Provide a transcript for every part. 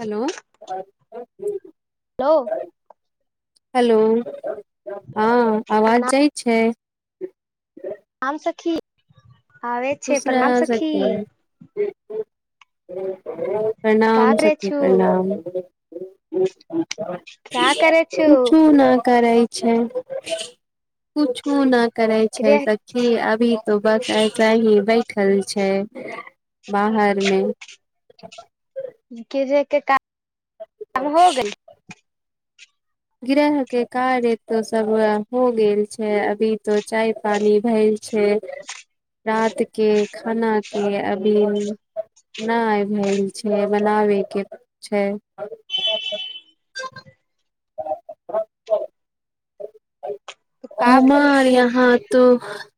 hello hello hello हाँ आवाज जाइ छै हम सखी आबै खुश छै रह प्रणाम सखी का प्रणाम करै सखी छु प्रणाम क्या [unintelligible] करै छु कुछ नहि करै छै कुछो नहि करै छै गृह सखी अभी तो बत- बैठल छै बाहरमे [unintelligible] काम हो गेल गृहके कार्य तो सब हो गेल छै अभी तो चाय पानी भेल छै रातके खानाके अभी नहि भेल छै बनाबेके छै [unintelligible] काम हमार नै यहाँ तो [unintelligible]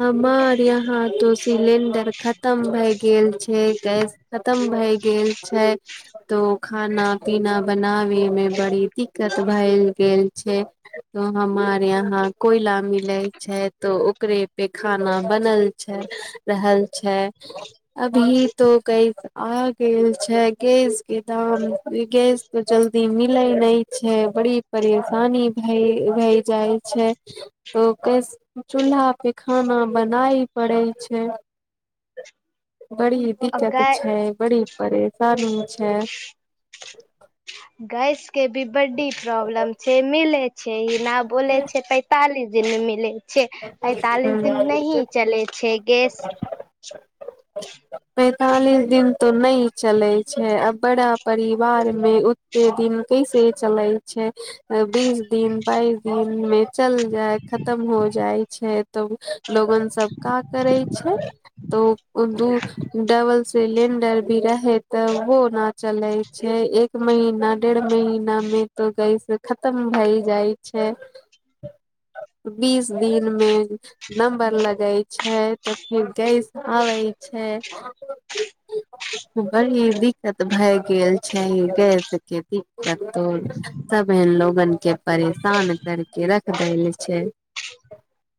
हमार इहाँ तो सिलेंडर ख़त्म भय गेल छै छै गैस खत्म भए गेल छै तो खाना पीना बनावे मे बड़ी दिक- भए गेल छै तो हमार यहााँ कोयला मिले छै तो ओकरे पे खाना बनल छै रहल छै अभी तो कैस आ गेल छै गैस के दाम गैस तो जल्दी मिले ने छै छै बड़ी परेशानी भय भय जाइ छै तऽकर चूल्हाप पे खाना बनाय पड़ै छै बड़ी दिक्कत गै छै बड़ी परेशानी छै गैस के भी बड्डी प्रॉब्लम छै मिले छै छै ई ना बोलै छै पैंतालिस दिन मिलै छै अड़तालिस ह दिन नहि चलै छै गैस पैंतालिस दिन तो नहि चलै छै आ बड़ा परिवार मे ओते दिन कैसे चले छै बीस दिन बाइस दिन मे चल जाय खतम हो छै तऽ लोगन सब का करे छै तऽ दू डबल सिलेंडर भी रहे तऽ व न चले छै एक महीना डेढ़ महीना मे तो गैस खतम भए जाइ छै बीस दिन मे नम्बर लगे छै तऽ फेर गैस आबे छै बड़ी दिक्कत भए गेल छै गैस के दिक्कतो सब एहन लोगन के परेशान कर के रख देल छै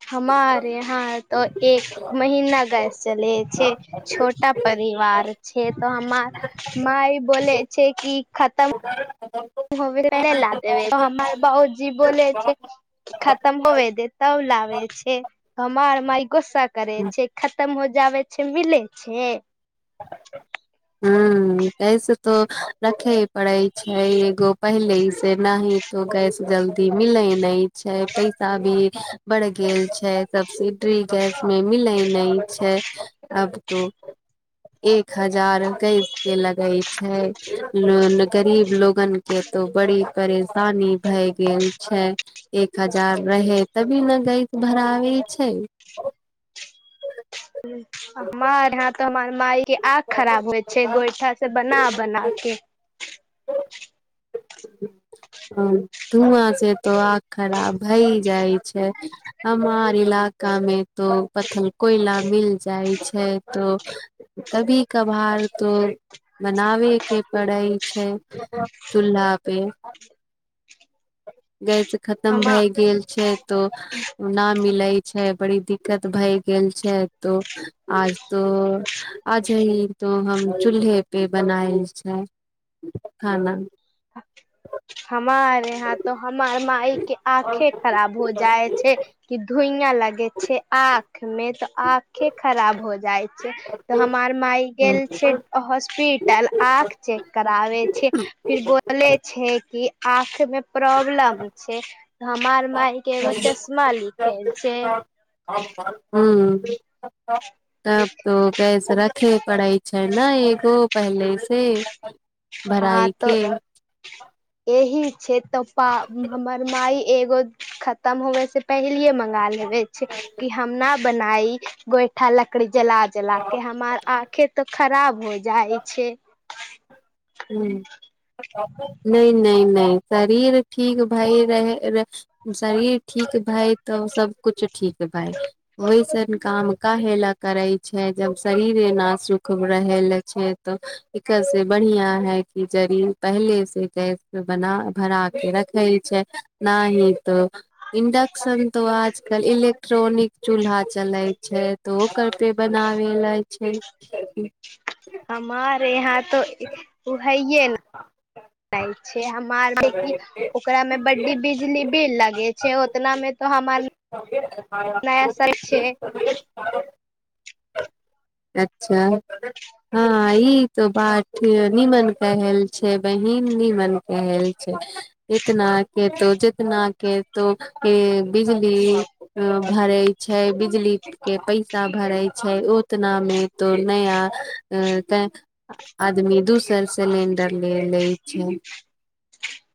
हमारे यहाँ तो एक महना गैस चलै छै छोटा परिवार छै तऽ हमर मााय बोलै छै कि ओकर देब हमर बाबजी बोलै छै खतम होबे देता लाबे छै कमार मइ गुस्सा करे छै खतम हो जााबे छै मिलै छै ह कैसे तऽ रखे करै छै एगो पहिले से न तो गैस जल्दी मिलैत नहि छै पैसा भी बढ़ गेल छै सब्सिडी गैस मे मिलै नहि छै अब तो एक हजार गैस के लगै छै लोन गरीब लोगने तो बड़ी परेशानी भए गेल छै एक हजार रहै तभी ने गैस भराबै छै हमर यहा तऽ हमर माायके आँख खराब होइ छै गोइठा से बना बना के धुआँ से तो आग खराब हई जाइ छै हमार इलाका मे तो पत्थल कोयला मिल जाइ छै तो कभी कभार तो बनाबे के पड़ै छै छै चूल्हा आे गैस खतम हमा भए गेल छै तो न मिलै छै बड़ी दिक्कत भय गेल छै तो आज तो आज ही तो हम चूल्हे पे बनायल छै खाना हमारे हँ त हमर मााय के आंखे खराब हो जाइ छै कि धुई क लागे छै आख आंख में तो आंखे खराब हो जाइ छै तऽ हम आर मााय गेल ह छै हॉस्पिटल आँख चेक कराबे छै फिर बोले छै आँखमे प्रॉब्लम छै हमार मााय के एगो चश्मा लिख छै तब तो कैस रखे पढ़ाइ छढ़ना एगो पहले से हँ भराई के तऽ यही छै तऽ पा हमर माइ एगो खतम होबएसँ पहिले मंगा लेबे छै कि हमरा बनाई गोइठा लकड़ी जला जला के हमर आंख त ख़राब होइत जाइ छै ह्म नहि नहि न न शरीर ठीक भाय रह शरीर ठीक भाय तऽ सब कुछ ठीक भाय ओहिसन काम काहे ले करे छै जब शरीर एना सुख रह ले छै तो एकर से बढ़िया है कि जड़ी पहिलेसँ गैस प बना भरा कऽ रखै छै न ही तो इंडक्शन तो आजकल इलेक्ट्रॉनिक चूल्हा चलै छै तऽ ओकर पे बनाबे लइ छै हमारे ईहाँ त ओहे ने छै ार ओकरामे बड्डी बिजली बिल लगे छै ओतना मे तो हमार नय छै अच्छा हँ ई त बठ निमन कल छै बहिन निमन कल छै इतना के तो जितना के तो बिजली भरे छै बिजली के पैसा भरे छै उतना मे तो नया आदमी दोसर सिलेंडर ले ले छै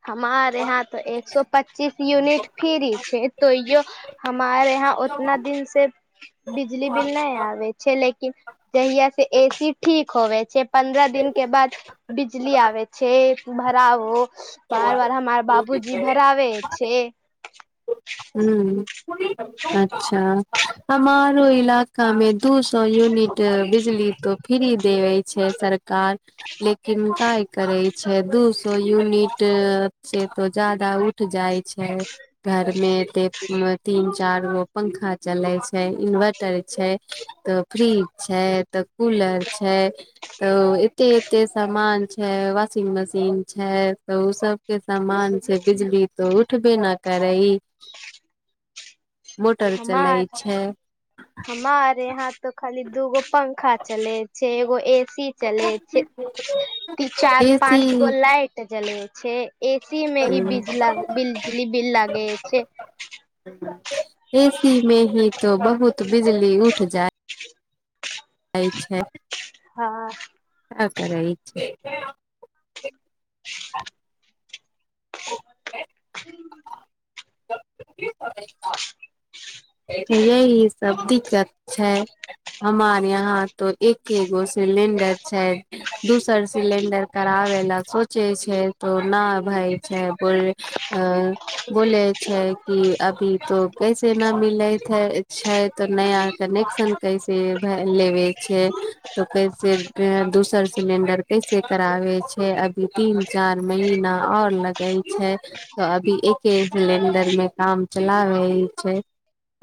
हमारे यहाँ तऽ एक सए पच्चीस यूनिट फ्री छै तो यो हमारे यहाँ उतना दिन से बिजली बिल नहि आवाई छैले जहिया से ए सी ठीक होवे छै पन्द्रह दीन के बाद बिजली आबै छै भरा हो बार बार हमर बाबूजी भराव छै हूं अच्छा हमारो इलाकामे दू सए यूनिट बिजली तो फ्री देबे छै सरकार लेकिन काय करै छै दू सए यूनिट से तो जादा उठ जाय छै घर मे एते तीन चार गो पंखा चले छै इन्वर्टर छै तऽ फ्रीज छै तऽ कूलर छै तऽ एते एते सामान छै वाशिंग मशीन छै तऽ ओ सबके सामान छै बिजली तऽ उठबे न करै मोटर चलै हमार छै हमारे यहाँ तो खाली दूगो पंखा चले छगो एसी सी चल छै ती चार एसी पाँच गो लाइट जल छै एसी मे ही बज बिजली बिल लागे छै ए सी में ही तो बहुत बिजली उठ जाय होइ छथि हँ आ करै छै [unintelligible] [unintelligible] यही सब दिक्कत छै हमार यहाँ तो एकेगो सिलेंडर छै दोसर सिलेंडर कराबै ला सोचे छै तो ना भए छै बोल ऐं-बोले छै कि अभी तो कैसे न मिलैत छै तऽ नया कनेक्शन कैसे लेवै छै तऽ कैसे दोसर सिलेंडर कैसे कराबे छै अभी तीन चार महीना आओर लगै छै तऽ अभी एके सिलेंडरमे काम चलाबे छै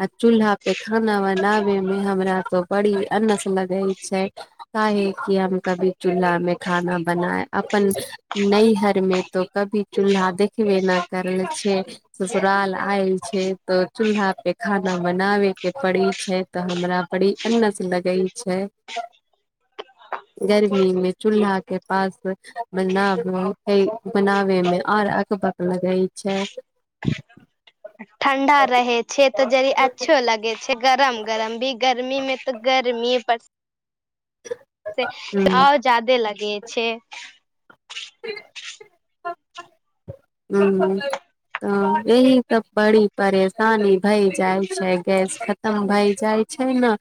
आ चूल्हा पे खाना बनाबैमे हमरा तो बड़ी अनस लगै छै काहे कि हम कभी चूल्हामे खाना बनाए अपन नैहरमे तो कभी चूल्हा देखबे न करल छै ससुराल आएल छियै तो चूल्हा के खाना बनाबे के पड़ै छै तऽ हमरा बड़ी अन्नस लगै छै गर्मी मे चूल्हा के पास बना बनाबे मे आओर अकबक लगै छै ठण्डा रहै छेत्र तऽ जरी अच्छो लगे छै गरम गरम भी गर्मी मे तऽ गर्मी पड़ से ह आओर ज्यादे लग- -गै छै [unintelligible] हूँ तऽ यही तऽ बड़ी परेशानी भइ जाइ छै गैस खतम भइ जाइ छै न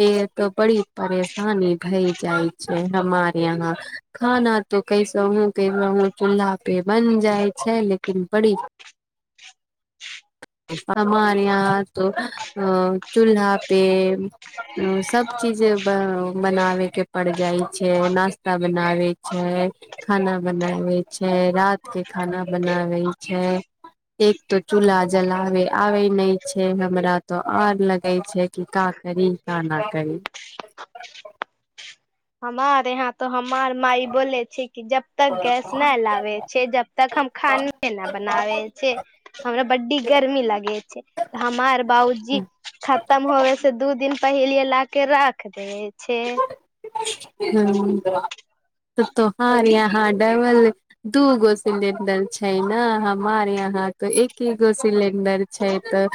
य तऽ बड़ी परेशानी भई जाइ छै हमार यहा खाना तो कैसहूँ कैसहूँ चूल्हा पे बन जाइ छै लेकिन बड़ी हमार इहाँ तो चूल्हा पे सब चीज बनाबे के पड़ जाइ छै नास्ता बनाबै छै खाना बनाबै छै रात के खाना बनाबै छै एक तो चूल्हा जलाबे आबै नहि छै हमरा तऽ आर लगै छै कि का करि का ना करि हमार यहाँ तऽ हम हमार माय बोले छै कि जबतक गैस न लाबे छै जब तक हम खाने न बनावे छै हमरा बड्डी गर्मी लगै छै हमार बाबूजी खतम होवै से दू दिन पहिलेए लाके रख दे छै हूँ तोहार इहाँ डबल दूगो सिलिंडर छै न हमार इहाँ तऽ एके गो सिलिंडर छै तऽ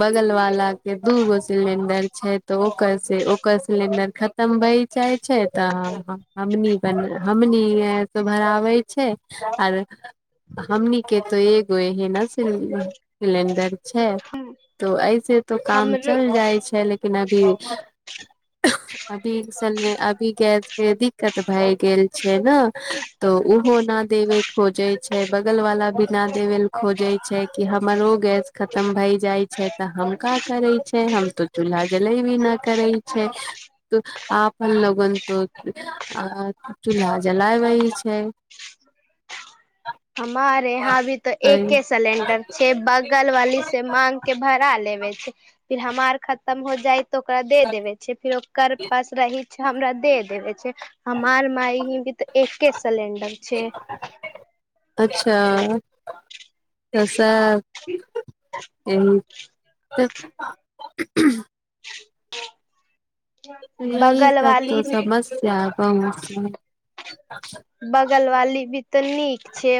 बगल वाला के दू गो सिलिंडर छै तऽ ओकर से ओकर सिलिंडर खत- -म भइ जाइ छै तऽ हमनी हमनी तो भराबै छै आर हमनीके तो एगो एहिंने सिलेंडर छै तो ऐसे तो काम हमरो चलि जाइ छै लेकिन अब- फिर अभी इस अभी गैसके दिक्कत भए गेल छै न तऽ ओहो ना देबै खोजै छै बगलवला भी ना देबै ल खोजै छै कि हमरो गैस खतम भइ जाइ छै तऽ हम का करै छै हम तो चूल्हा जलै भी ना करै छै तऽ आपन लोगन तो ऐं-चूल्हा जलावै छै हमारे इहाँ भी तो एके सिलेंडर छै बगल वाली से मांग के भरा लेबे फिर हमार खतम हो जाइ ओकरा दे देबे छै फिर ओकर पास रही हमरा दे देबै छै हमार माइ ही तऽ एके सिलेंडर छै अच्छा [unintelligible] [unintelligible] यही बगल सब वाली तो समस्या [unintelligible] बगल वाली भी त नी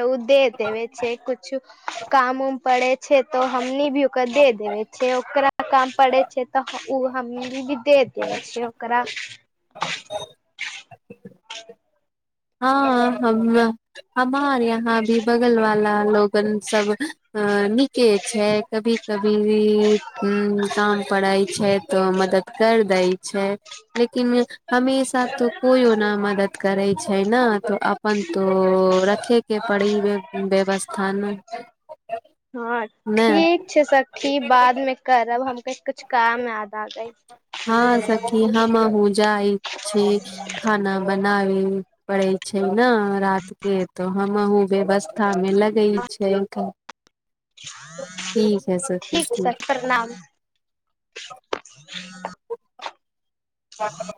उ देे देबै छै कुछु काम उम पड़े छै तऽ हमनी भी ओकरा दे देबै छै ओकरा काम पड़ै छै तऽ ओ हमनी भ दे देबै छै ओकरा [unintelligible] हाँ हम- हमार यहाँ भी बगल वाला लोगन सब अ-नीक के छै कभी कभी काम परै छै तो मदद कर दै छै लेकिन हमेशा त कोइ हो न मदद करै छै छै ने तऽ अपन रखे के पड़ी वे व्यवस्था ने हँ ने ठीक छै सखी बाद मे करब हम कह कुछु काम याद आ गई हँ सखी हमहूँ जाइ छी खाना बन बना पड़े छै ने रात के तो हमहुँ व्यवस्था लगै छै ठीक है ठीक सखी छै ह हँ